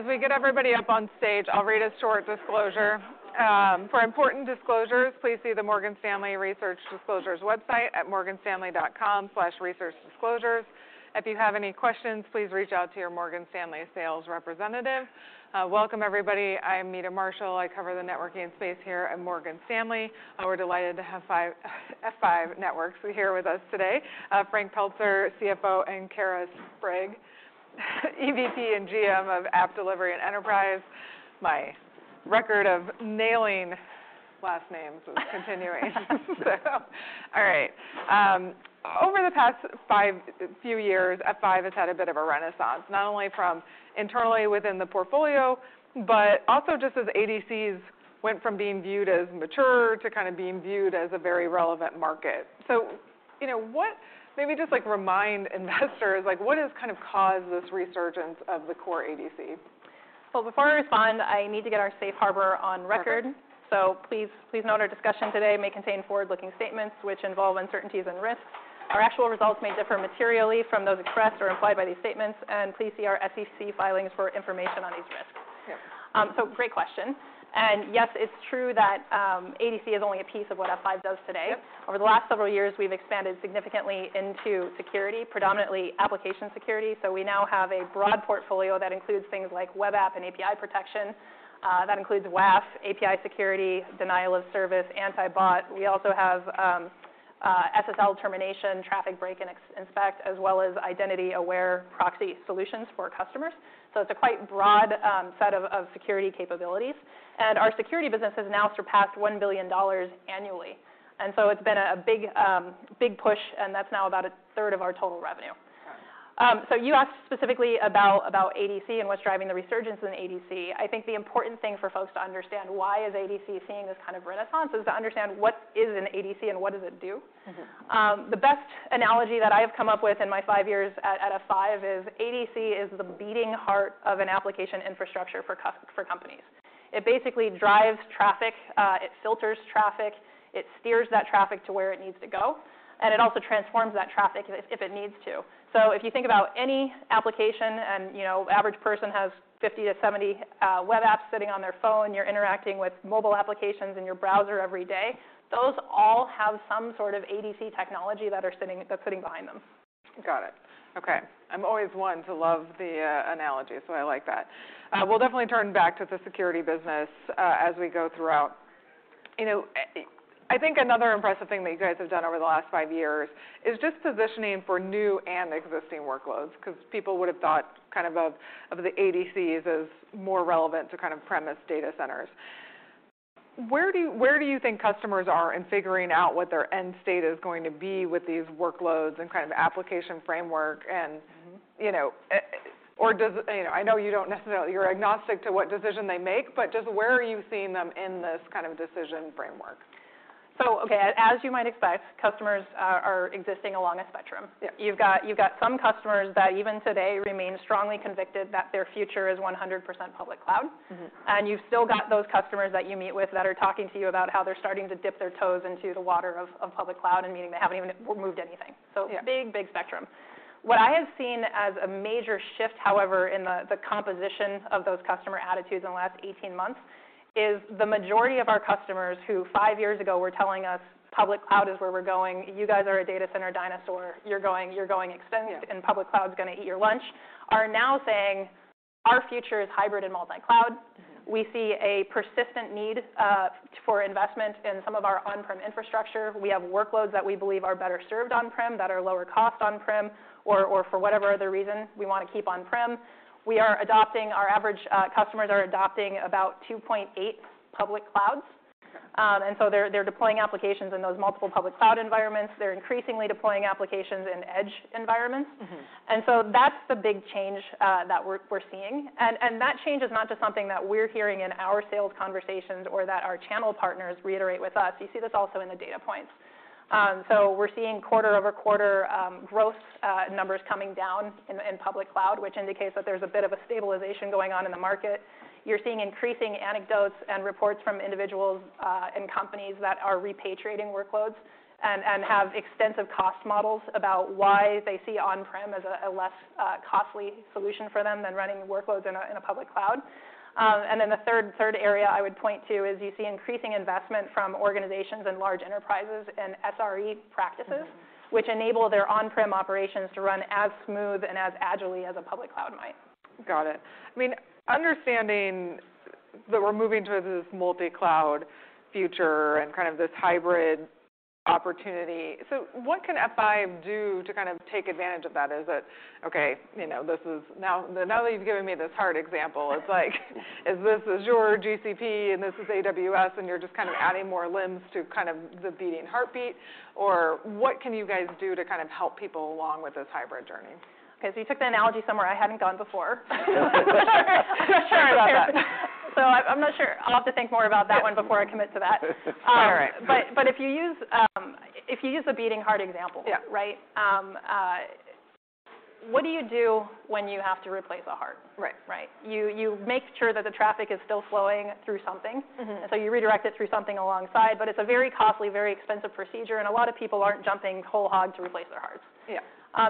As we get everybody up on stage, I'll read a short disclosure. For important disclosures, please see the Morgan Stanley Research disclosures website at morganstanley.com/researchdisclosures. If you have any questions, please reach out to your Morgan Stanley sales representative. Welcome everybody. I am Meta Marshall. I cover the networking space here at Morgan Stanley, and we're delighted to have F5 Networks here with us today. Frank Pelzer, CFO, and Kara Sprague, EVP and GM of Application Delivery and Enterprise. My record of nailing last names is continuing. All right. Over the past few years, F5 has had a bit of a renaissance, not only from internally within the portfolio, but also just as ADCs went from being viewed as mature to kind of being viewed as a very relevant market. You know, what Maybe just, like, remind investors, like, what has kind of caused this resurgence of the core ADC? Well, before I respond, I need to get our safe harbor on record. Okay. Please note our discussion today may contain forward-looking statements which involve uncertainties and risks. Our actual results may differ materially from those expressed or implied by these statements, and please see our SEC filings for information on these risks. Okay. Great question. Yes, it's true that ADC is only a piece of what F5 does today. Yep. Over the last several years, we've expanded significantly into security, predominantly application security. We now have a broad portfolio that includes things like web app and API protection. That includes WAF, API security, denial of service, anti-bot. We also have SSL termination, traffic break and ex-inspect, as well as Identity Aware Proxy solutions for customers. It's a quite broad set of security capabilities. Our security business has now surpassed $1 billion annually. It's been a big push, and that's now about a third of our total revenue. Okay. You asked specifically about ADC and what's driving the resurgence in ADC. I think the important thing for folks to understand why is ADC seeing this kind of renaissance is to understand what is an ADC and what does it do. Mm-hmm. The best analogy that I've come up with in my five years at F5 is ADC is the beating heart of an application infrastructure for companies. It basically drives traffic, it filters traffic, it steers that traffic to where it needs to go, and it also transforms that traffic if it needs to. If you think about any application and, you know, average person has 50 to 70 web apps sitting on their phone, you're interacting with mobile applications in your browser every day. Those all have some sort of ADC technology that they're sitting behind them. Got it. Okay. I'm always one to love the analogy, so I like that. We'll definitely turn back to the security business as we go throughout. You know, I think another impressive thing that you guys have done over the last 5 years is just positioning for new and existing workloads 'cause people would've thought kind of the ADCs as more relevant to kind of premise data centers. Where do you think customers are in figuring out what their end state is going to be with these workloads and kind of application framework. Mm-hmm... you know, or does, you know, I know you don't necessarily... You're agnostic to what decision they make, but just where are you seeing them in this kind of decision framework? Okay, as you might expect, customers are existing along a spectrum. Yep. You've got some customers that even today remain strongly convicted that their future is 100% public cloud. Mm-hmm. You've still got those customers that you meet with that are talking to you about how they're starting to dip their toes into the water of public cloud and meaning they haven't even moved anything. Yeah. Big, big spectrum. What I have seen as a major shift, however, in the composition of those customer attitudes in the last 18 months, is the majority of our customers who 5 years ago were telling us, "Public cloud is where we're going. You guys are a data center dinosaur. You're going extinct... Yeah... and public cloud's gonna eat your lunch," are now saying, "Our future is hybrid and multi-cloud. Mm-hmm. We see a persistent need for investment in some of our on-prem infrastructure. We have workloads that we believe are better served on prem, that are lower cost on prem or for whatever other reason we wanna keep on prem. Our average customers are adopting about 2.8 public clouds. They're deploying applications in those multiple public cloud environments. They're increasingly deploying applications in edge environments. Mm-hmm. That's the big change that we're seeing. That change is not just something that we're hearing in our sales conversations or that our channel partners reiterate with us. You see this also in the data points. We're seeing quarter-over-quarter growth numbers coming down in public cloud, which indicates that there's a bit of a stabilization going on in the market. You're seeing increasing anecdotes and reports from individuals and companies that are repatriating workloads and have extensive cost models about why they see on-prem as a less costly solution for them than running workloads in a public cloud. The third area I would point to is you see increasing investment from organizations and large enterprises in SRE practices. Mm-hmm... which enable their on-prem operations to run as smooth and as agilely as a public cloud might. Got it. I mean, understanding that we're moving towards this multi-cloud future and kind of this hybrid opportunity, what can F5 do to kind of take advantage of that? Is it, okay, you know, now that you've given me this heart example, it's like is this your GCP and this is AWS, and you're just kind of adding more limbs to kind of the beating heartbeat? Or what can you guys do to kind of help people along with this hybrid journey? Okay, you took the analogy somewhere I hadn't gone before. Sure. Got it. I'm not sure. I'll have to think more about that one before I commit to that. All right. If you use the beating heart example. Yeah... right? What do you do when you have to replace a heart? Right. Right. You make sure that the traffic is still flowing through something. Mm-hmm. You redirect it through something alongside, but it's a very costly, very expensive procedure, and a lot of people aren't jumping whole hog to replace their hearts. Yeah.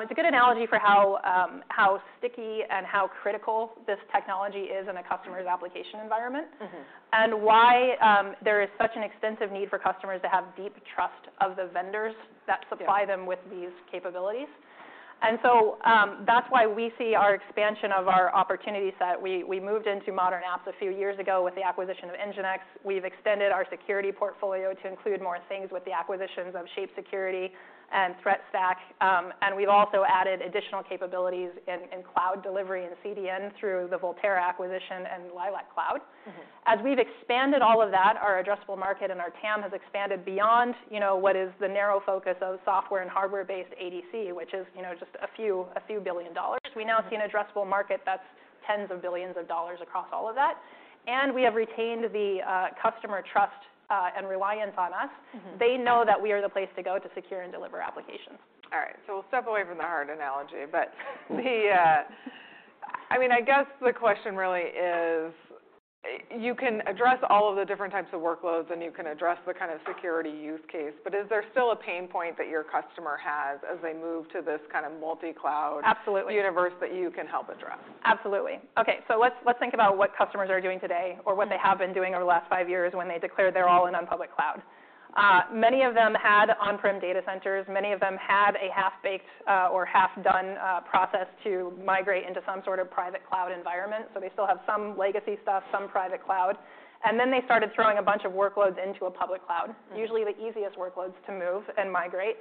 It's a good analogy for how sticky and how critical this technology is in a customer's application environment. Mm-hmm... and why there is such an extensive need for customers to have deep trust of the vendors. Yeah... supply them with these capabilities. That's why we see our expansion of our opportunity set. We moved into modern apps a few years ago with the acquisition of NGINX. We've extended our security portfolio to include more things with the acquisitions of Shape Security and Threat Stack. We've also added additional capabilities in cloud delivery and CDN through the Volterra acquisition and Lilac Cloud. Mm-hmm. As we've expanded all of that, our addressable market and our TAM has expanded beyond, you know, what is the narrow focus of software and hardware-based ADC, which is, you know, just a few billion dollars. We now see an addressable market that's tens of billions of dollars across all of that, and we have retained the customer trust and reliance on us. Mm-hmm. They know that we are the place to go to secure and deliver applications. All right. We'll step away from the heart analogy. The... I mean, I guess the question really is, you can address all of the different types of workloads and you can address the kind of security use case, but is there still a pain point that your customer has as they move to this kind of multi-cloud-? Absolutely... universe that you can help address? Absolutely. Okay, let's think about what customers are doing today or what they have been doing over the last five years when they declared they're all-in on public cloud. Many of them had on-prem data centers. Many of them had a half-baked, or half-done, process to migrate into some sort of private cloud environment, so they still have some legacy stuff, some private cloud. Then they started throwing a bunch of workloads into a public cloud- Mm-hmm... usually the easiest workloads to move and migrate.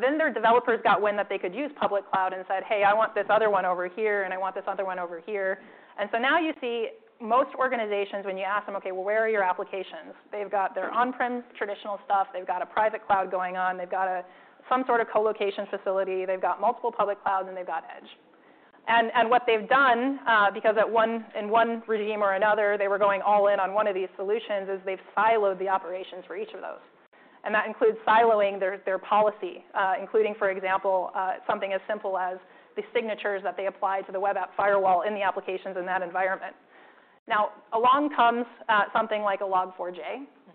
Then their developers got wind that they could use public cloud and said, "Hey, I want this other one over here, and I want this other one over here." Now you see most organizations when you ask them, "Okay, well, where are your applications?" They've got their on-prem traditional stuff. They've got a private cloud going on. They've got some sort of co-location facility. They've got multiple public cloud, and they've got Edge. What they've done, because in one regime or another, they were going all in on one of these solutions, is they've siloed the operations for each of those, and that includes siloing their policy, including, for example, something as simple as the signatures that they apply to the web app firewall in the applications in that environment. Along comes something like a Log4j,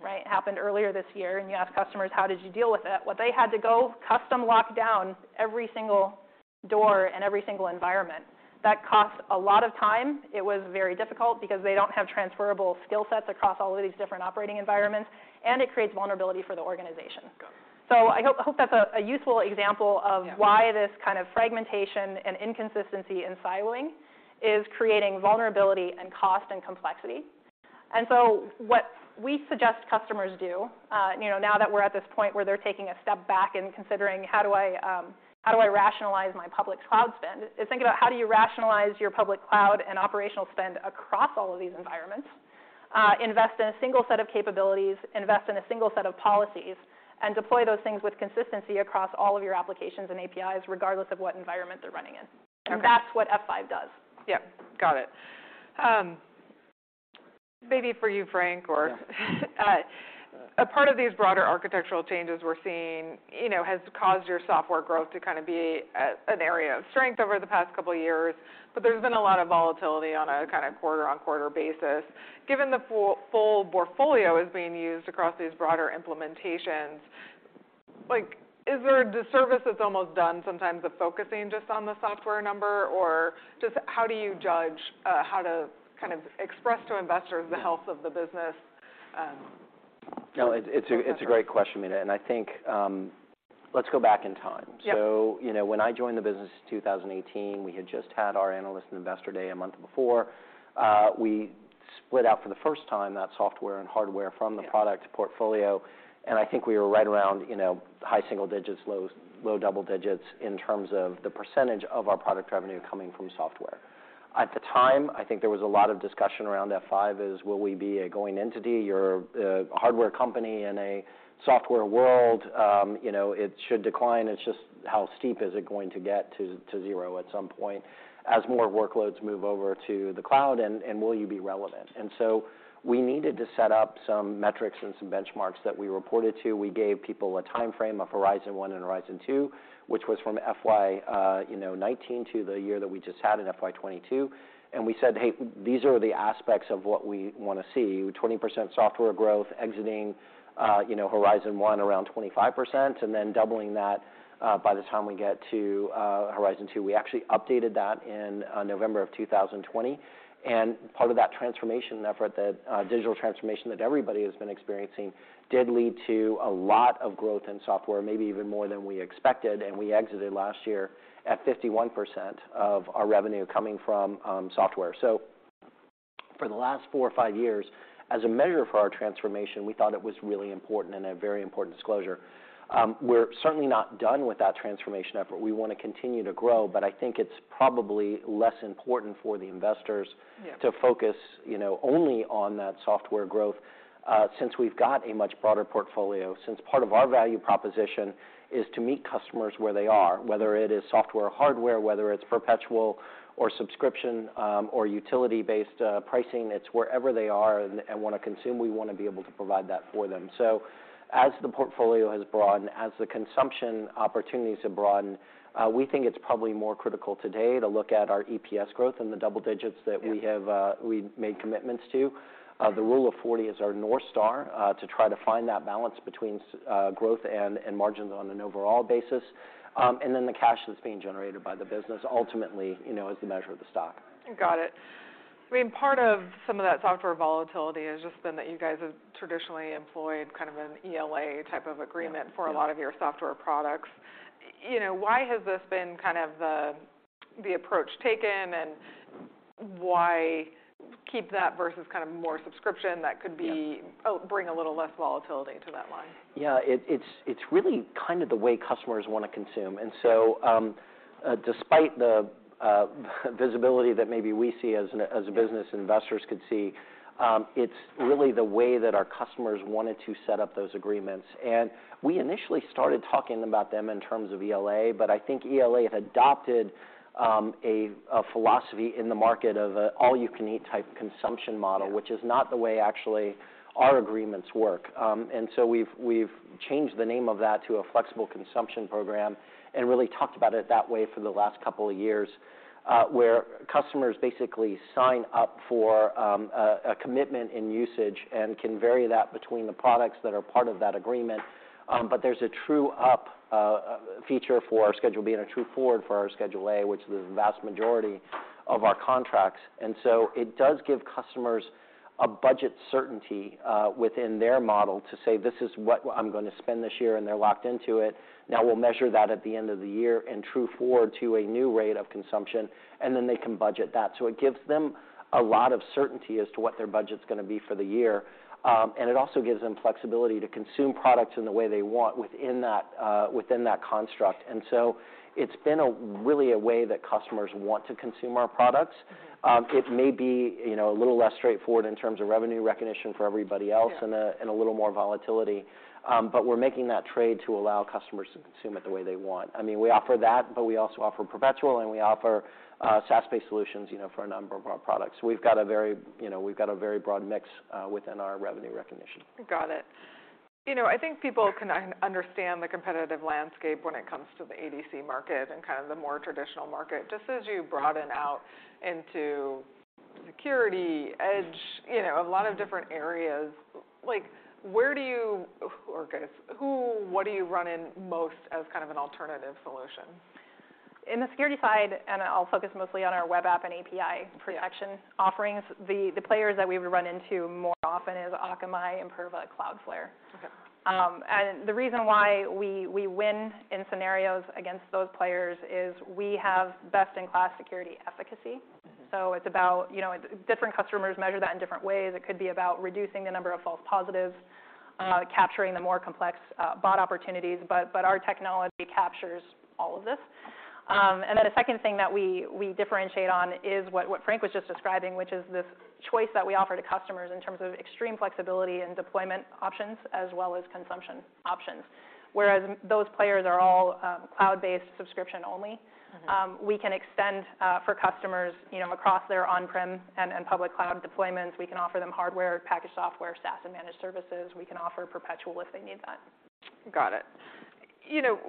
right? Happened earlier this year, and you ask customers, "How did you deal with it?" Well, they had to go custom lock down every single door and every single environment. That cost a lot of time. It was very difficult because they don't have transferable skill sets across all of these different operating environments, and it creates vulnerability for the organization. Got it. I hope that's a useful example of. Yeah... why this kind of fragmentation and inconsistency in siloing is creating vulnerability and cost and complexity. What we suggest customers do, you know, now that we're at this point where they're taking a step back and considering how do I, how do I rationalize my public cloud spend, is think about how do you rationalize your public cloud and operational spend across all of these environments, Invest in a single set of capabilities, invest in a single set of policies, and deploy those things with consistency across all of your applications and APIs, regardless of what environment they're running in. Okay. That's what F5 does. Yep. Got it. Maybe for you, Frank? Yeah. A part of these broader architectural changes we're seeing, you know, has caused your software growth to kind of be a, an area of strength over the past couple of years. There's been a lot of volatility on a kind of quarter-on-quarter basis. Given the full portfolio is being used across these broader implementations, like, is there a disservice that's almost done sometimes of focusing just on the software number? Just how do you judge, how to kind of express to investors the health of the business, going forward? No, it's a great question, Meta. I think, let's go back in time. Yep. You know, when I joined the business in 2018, we had just had our analyst and investor day a month before. We split out for the first time that software and hardware from the product portfolio, and I think we were right around, you know, high single digits, low double digits in terms of the % of our product revenue coming from software. At the time, I think there was a lot of discussion around F5 as will we be a going entity? You're a hardware company in a software world, you know, it should decline. It's just how steep is it going to get to 0 at some point as more workloads move over to the cloud, and will you be relevant? We needed to set up some metrics and some benchmarks that we reported to. We gave people a timeframe of Horizon 1 and Horizon 2, which was from FY, you know, 19 to the year that we just had in FY 22. We said, "Hey, these are the aspects of what we wanna see," 20% software growth exiting, you know, Horizon 1 around 25% and then doubling that by the time we get to Horizon 2. We actually updated that in November of 2020. Part of that transformation effort that digital transformation that everybody has been experiencing did lead to a lot of growth in software, maybe even more than we expected, and we exited last year at 51% of our revenue coming from software. For the last four or five years, as a measure for our transformation, we thought it was really important and a very important disclosure. We're certainly not done with that transformation effort. We wanna continue to grow, but I think it's probably less important for the investors. Yeah... to focus, you know, only on that software growth, since we've got a much broader portfolio, since part of our value proposition is to meet customers where they are, whether it is software or hardware, whether it's perpetual or subscription, or utility-based pricing. It's wherever they are and wanna consume, we wanna be able to provide that for them. As the portfolio has broadened, as the consumption opportunities have broadened, we think it's probably more critical today to look at our EPS growth in the double digits that we have. Yeah... we've made commitments to. The Rule of 40 is our North Star, to try to find that balance between growth and margins on an overall basis. The cash that's being generated by the business ultimately, you know, is the measure of the stock. Got it. I mean, part of some of that software volatility has just been that you guys have traditionally employed kind of an ELA type of agreement Yeah... for a lot of your software products. You know, why has this been kind of the approach taken, and why keep that versus kind of more subscription that could be. Yeah Bring a little less volatility to that line? Yeah. It's really kind of the way customers wanna consume. Despite the visibility that maybe we see as a business. Yeah... investors could see, it's really the way that our customers wanted to set up those agreements. We initially started talking about them in terms of ELA, but I think ELA have adopted, a philosophy in the market of a all-you-can-eat type consumption model... Yeah... which is not the way actually our agreements work. We've changed the name of that to a Flexible Consumption Program, and really talked about it that way for the last couple of years, where customers basically sign up for a commitment in usage and can vary that between the products that are part of that agreement. There's a true up feature for our Schedule B and a true forward for our Schedule A, which is the vast majority of our contracts. It does give customers a budget certainty within their model to say, "This is what I'm gonna spend this year," and they're locked into it. Now we'll measure that at the end of the year and true forward to a new rate of consumption, and then they can budget that. It gives them a lot of certainty as to what their budget's gonna be for the year. It also gives them flexibility to consume products in the way they want within that, within that construct. It's been a really a way that customers want to consume our products. Mm-hmm. It may be, you know, a little less straightforward in terms of revenue recognition for everybody else. Yeah... and a little more volatility, but we're making that trade to allow customers to consume it the way they want. I mean, we offer that, but we also offer perpetual, and we offer SaaS-based solutions, you know, for a number of our products. We've got a very, you know, we've got a very broad mix within our revenue recognition. Got it. You know, I think people can understand the competitive landscape when it comes to the ADC market and kind of the more traditional market. As you broaden out into security, edge, you know, a lot of different areas, I guess, who or what are you running most as kind of an alternative solution? In the security side, I'll focus mostly on our web app and API protection offerings. Yeah... the players that we would run into more often is Akamai andImperva, Cloudflare. Okay. The reason why we win in scenarios against those players is we have best-in-class security efficacy. Mm-hmm. It's about, you know, different customers measure that in different ways. It could be about reducing the number of false positives, capturing the more complex, bot opportunities, but our technology captures all of this. A second thing that we differentiate on is what Frank was just describing, which is this choice that we offer to customers in terms of extreme flexibility and deployment options as well as consumption options, whereas those players are all, cloud-based subscription only. Mm-hmm. We can extend for customers, you know, across their on-prem and public cloud deployments. We can offer them hardware, packaged software, SaaS and managed services. We can offer perpetual if they need that. Got it. You know,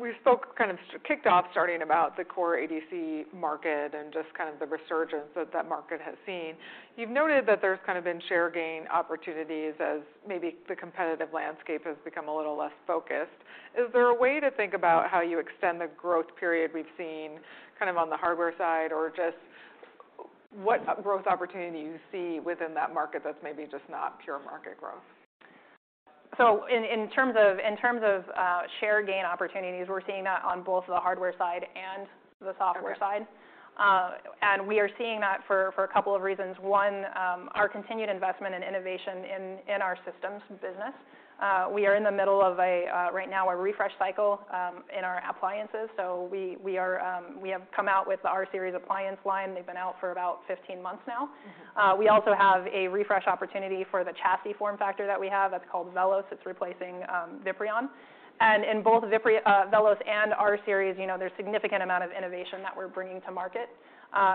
we spoke kind of kicked off starting about the core ADC market and just kind of the resurgence that market has seen. You've noted that there's kind of been share gain opportunities as maybe the competitive landscape has become a little less focused. Is there a way to think about how you extend the growth period we've seen kind of on the hardware side? Just what growth opportunity you see within that market that's maybe just not pure market growth? In terms of share gain opportunities, we're seeing that on both the hardware side and the software side. Okay. We are seeing that for a couple of reasons. One, our continued investment in innovation in our systems business. We are in the middle of a right now a refresh cycle in our appliances, so we have come out with our rSeries appliance line. They've been out for about 15 months now. Mm-hmm. We also have a refresh opportunity for the chassis form factor that we have. That's called VELOS. It's replacing VIPRION. In both VELOS and rSeries, you know, there's significant amount of innovation that we're bringing to market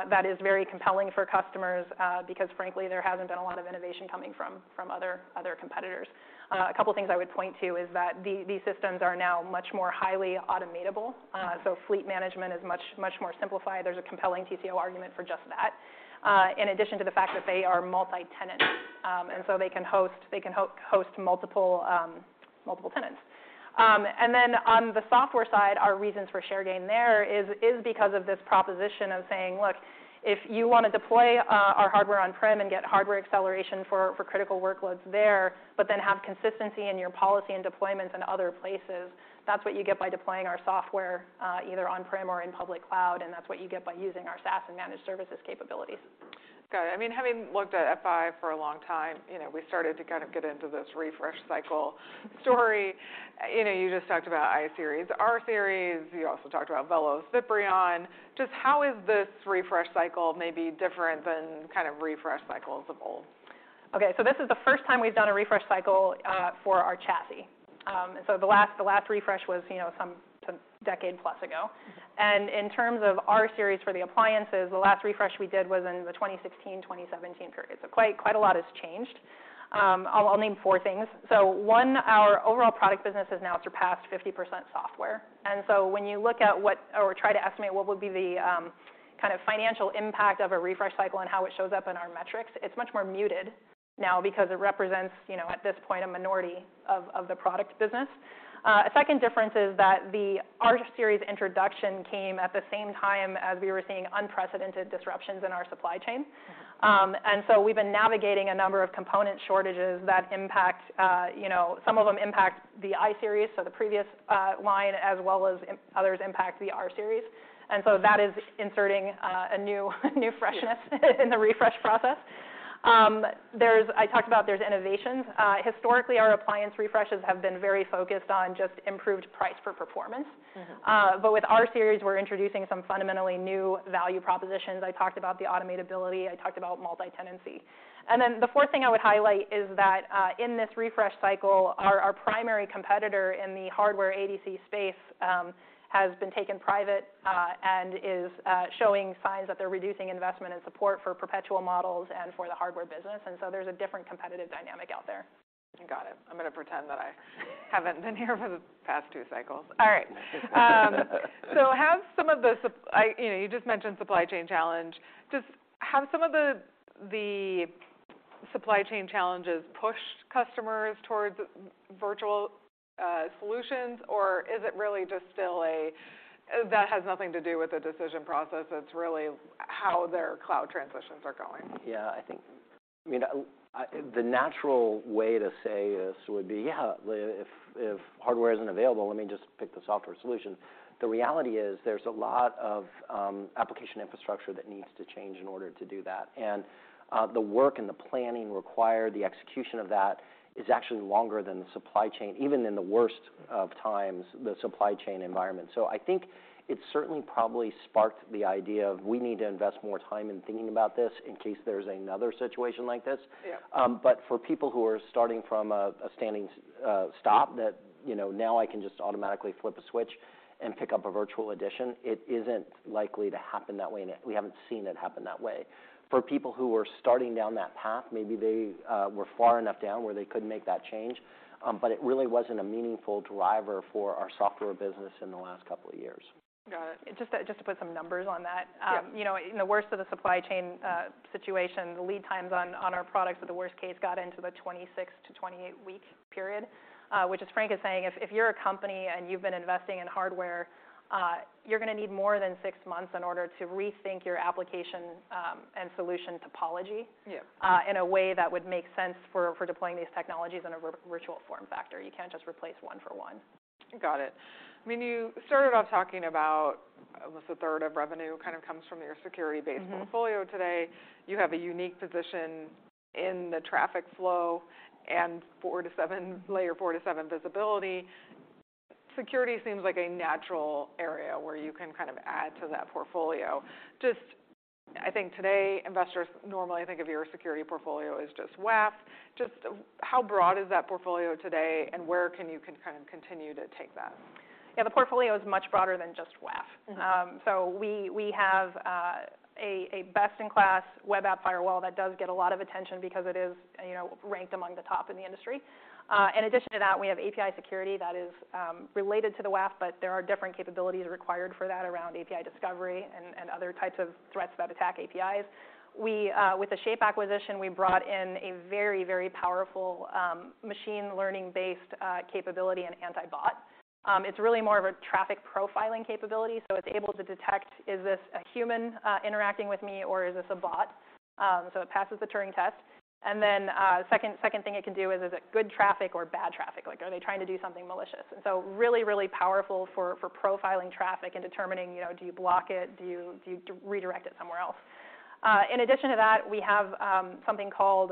that is very compelling for customers because frankly, there hasn't been a lot of innovation coming from other competitors. A couple things I would point to is that these systems are now much more highly automatable. Fleet management is much more simplified. There's a compelling TCO argument for just that, in addition to the fact that they are multi-tenant, they can host multiple tenants. On the software side, our reasons for share gain there is because of this proposition of saying, "Look, if you wanna deploy our hardware on-prem and get hardware acceleration for critical workloads there, but then have consistency in your policy and deployments in other places," that's what you get by deploying our software, either on-prem or in public cloud, and that's what you get by using our SaaS and managed services capabilities. Got it. I mean, having looked at F5 for a long time, you know, we started to kind of get into this refresh cycle story. You know, you just talked about iSeries, rSeries, you also talked about VIPRION. Just how is this refresh cycle maybe different than kind of refresh cycles of old? Okay. This is the first time we've done a refresh cycle for our chassis. The last refresh was, you know, some decade plus ago. Mm-hmm. In terms of rSeries for the appliances, the last refresh we did was in the 2016, 2017 period. Quite a lot has changed. I'll name four things. One, our overall product business has now surpassed 50% software. When you look at what or try to estimate what would be the kind of financial impact of a refresh cycle and how it shows up in our metrics, it's much more muted now because it represents, you know, at this point, a minority of the product business. A second difference is that the rSeries introduction came at the same time as we were seeing unprecedented disruptions in our supply chain. Mm-hmm. We've been navigating a number of component shortages that impact, you know, some of them impact the iSeries, so the previous line, as well as others impact the rSeries. That is inserting, a new freshness- Yes ...in the refresh process. I talked about there's innovations. Historically, our appliance refreshes have been very focused on just improved price for performance. Mm-hmm. With rSeries, we're introducing some fundamentally new value propositions. I talked about the automatability, I talked about multi-tenancy. The fourth thing I would highlight is that, in this refresh cycle, our primary competitor in the hardware ADC space has been taken private and is showing signs that they're reducing investment and support for perpetual models and for the hardware business. There's a different competitive dynamic out there. Got it. I'm gonna pretend that I haven't been here for the past two cycles. All right. You know, you just mentioned supply chain challenge. Have some of the supply chain challenges pushed customers towards virtual solutions, or is it really just still a, "That has nothing to do with the decision process, it's really how their cloud transitions are going"? Yeah, I think the natural way to say this would be, if hardware isn't available, let me just pick the software solution. The reality is there's a lot of application infrastructure that needs to change in order to do that. The work and the planning required, the execution of that is actually longer than the supply chain, even in the worst of times, the supply chain environment. I think it certainly probably sparked the idea of we need to invest more time in thinking about this in case there's another situation like this. Yeah. For people who are starting from a standing stop, you know, now I can just automatically flip a switch and pick up a virtual edition, it isn't likely to happen that way, and we haven't seen it happen that way. For people who are starting down that path, maybe they were far enough down where they could make that change, but it really wasn't a meaningful driver for our software business in the last couple of years. Got it. Just to put some numbers on that. Yeah. You know, in the worst of the supply chain, situation, the lead times on our products at the worst case got into the 26 to 28 week period, which as Frank is saying, if you're a company and you've been investing in hardware, you're gonna need more than 6 months in order to rethink your application, and solution topology. Yeah... in a way that would make sense for deploying these technologies in a virtual form factor. You can't just replace one for one. Got it. I mean, you started off talking about almost a third of revenue kind of comes from your security-based... Mm-hmm ...portfolio today. You have a unique position in the traffic flow and layer four to seven visibility. Security seems like a natural area where you can kind of add to that portfolio. Just I think today, investors normally think of your security portfolio as just WAF. Just how broad is that portfolio today, and where can you kind of continue to take that? Yeah, the portfolio is much broader than just WAF. Mm-hmm. We, we have a best-in-class web app firewall that does get a lot of attention because it is, you know, ranked among the top in the industry. In addition to that, we have API security that is related to the WAF, but there are different capabilities required for that around API discovery and other types of threats that attack APIs. We, with the Shape acquisition, we brought in a very, very powerful machine learning-based capability and anti-bot. It's really more of a traffic profiling capability, so it's able to detect, is this a human interacting with me, or is this a bot? It passes the Turing test. Then, second thing it can do is it good traffic or bad traffic? Like, are they trying to do something malicious? Really, really powerful for profiling traffic and determining, you know, do you block it, do you redirect it somewhere else? In addition to that, we have something called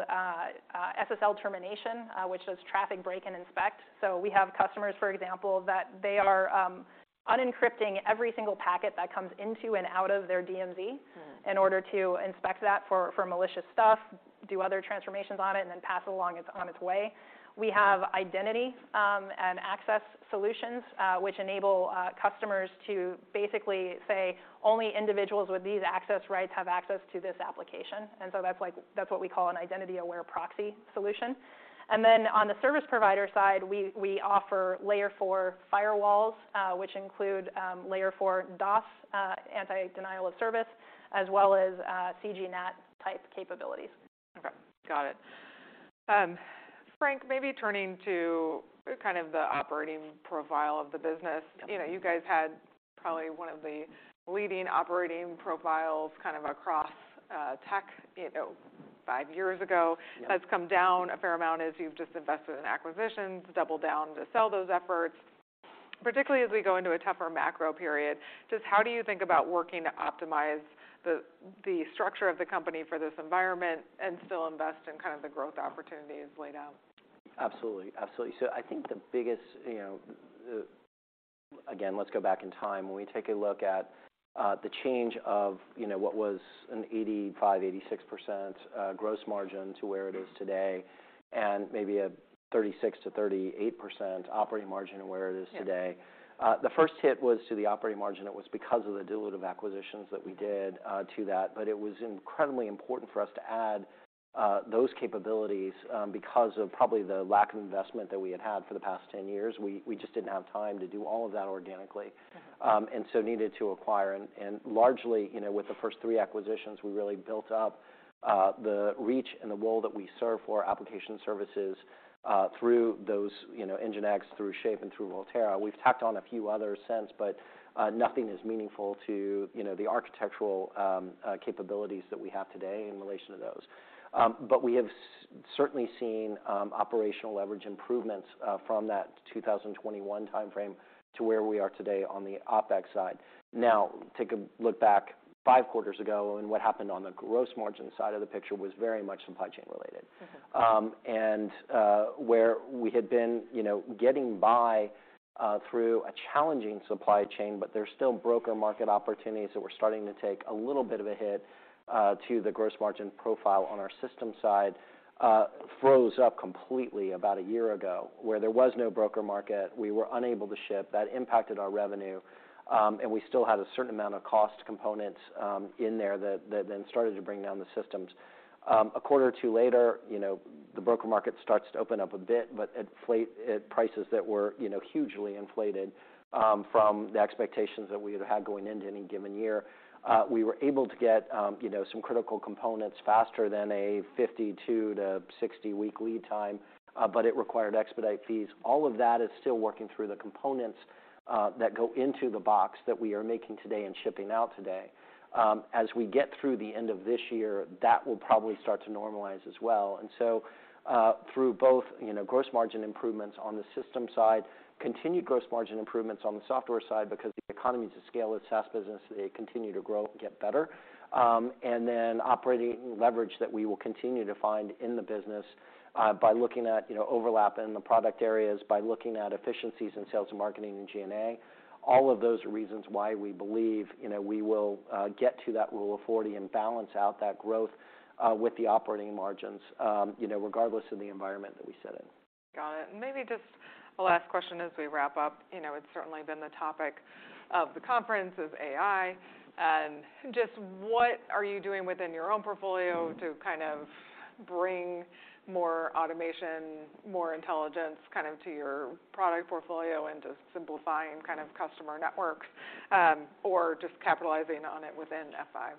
SSL termination, which does traffic break and inspect. So we have customers, for example, that they are unencrypting every single packet that comes into and out of their DMZ. Mm-hmm ...in order to inspect that for malicious stuff, do other transformations on it, and then pass it along its, on its way. We have identity and access solutions, which enable customers to basically say, "Only individuals with these access rights have access to this application." That's like, that's what we call an Identity Aware Proxy solution. On the service provider side, we offer layer four firewalls, which include layer four DoS, anti-denial of service, as well as CGNAT type capabilities. Okay, got it. Frank, maybe turning to kind of the operating profile of the business. Yeah. You know, you guys had probably one of the leading operating profiles kind of across tech, you know, 5 years ago. Yeah has come down a fair amount as you've just invested in acquisitions, doubled down to sell those efforts. Particularly as we go into a tougher macro period, just how do you think about working to optimize the structure of the company for this environment and still invest in kind of the growth opportunities laid out? Absolutely. Absolutely. I think the biggest, you know, Again, let's go back in time. When we take a look at the change of, you know, what was an 85%-86% gross margin to where it is today, and maybe a 36%-38% operating margin and where it is today. Yeah... the first hit was to the operating margin. It was because of the dilutive acquisitions that we did, to that. It was incredibly important for us to add, those capabilities, because of probably the lack of investment that we had had for the past 10 years. We just didn't have time to do all of that organically. Okay... needed to acquire. Largely, you know, with the first three acquisitions, we really built up the reach and the role that we serve for our application services through those, you know, NGINX, through Shape, and through Volterra. We've tacked on a few others since, but nothing as meaningful to, you know, the architectural capabilities that we have today in relation to those. We have certainly seen operational leverage improvements from that 2021 timeframe to where we are today on the OpEx side. Take a look back 5 quarters ago and what happened on the gross margin side of the picture was very much supply chain related. Okay. Where we had been, you know, getting by through a challenging supply chain, but there's still broker market opportunities that were starting to take a little bit of a hit to the gross margin profile on our system side, froze up completely about a year ago, where there was no broker market. We were unable to ship. That impacted our revenue, and we still had a certain amount of cost components in there that then started to bring down the systems. A quarter or 2 later, you know, the broker market starts to open up a bit, but at prices that were, you know, hugely inflated from the expectations that we had had going into any given year. We were able to get, you know, some critical components faster than a 52-60-week lead time, but it required expedite fees. All of that is still working through the components that go into the box that we are making today and shipping out today. As we get through the end of this year, that will probably start to normalize as well. Through both, you know, gross margin improvements on the system side, continued gross margin improvements on the software side because the economies of scale of SaaS business, they continue to grow and get better. And then operating leverage that we will continue to find in the business, by looking at, you know, overlap in the product areas, by looking at efficiencies in sales and marketing and G&A. All of those are reasons why we believe, you know, we will get to that Rule of 40 and balance out that growth with the operating margins, you know, regardless of the environment that we set in. Got it. Maybe just a last question as we wrap up. You know, it's certainly been the topic of the conference is AI, and just what are you doing within your own portfolio to kind of bring more automation, more intelligence kind of to your product portfolio into simplifying kind of customer networks, or just capitalizing on it within F5?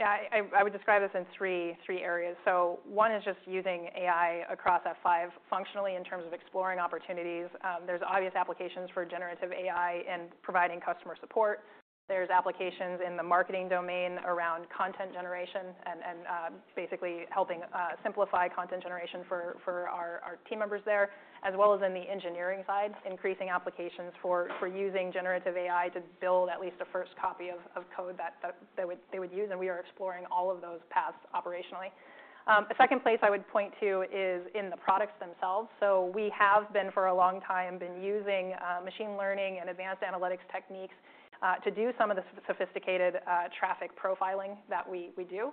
I would describe this in three areas. One is just using AI across F5 functionally in terms of exploring opportunities. There's obvious applications for generative AI in providing customer support. There's applications in the marketing domain around content generation and, basically helping simplify content generation for our team members there, as well as in the engineering side, increasing applications for using generative AI to build at least a first copy of code that they would use. We are exploring all of those paths operationally. A second place I would point to is in the products themselves. We have been, for a long time, been using machine learning and advanced analytics techniques to do some of the sophisticated traffic profiling that we do.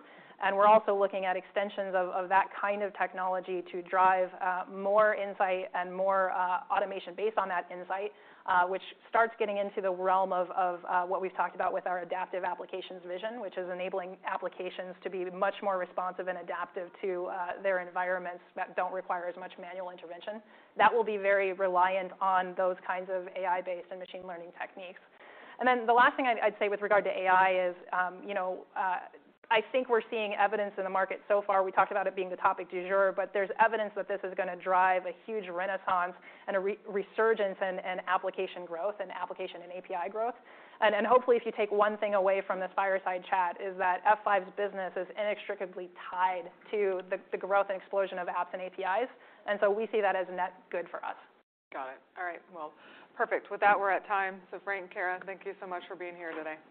We're also looking at extensions of that kind of technology to drive more insight and more automation based on that insight, which starts getting into the realm of what we've talked about with our adaptive applications vision, which is enabling applications to be much more responsive and adaptive to their environments that don't require as much manual intervention. That will be very reliant on those kinds of AI-based and machine learning techniques. The last thing I'd say with regard to AI is, you know, I think we're seeing evidence in the market so far, we talked about it being the topic du jour, but there's evidence that this is gonna drive a huge renaissance and a re-resurgence in application growth and application and API growth. Hopefully, if you take one thing away from this fireside chat, is that F5's business is inextricably tied to the growth and explosion of apps and APIs. We see that as net good for us. Got it. All right. Well, perfect. With that, we're at time. Frank, Kara, thank you so much for being here today.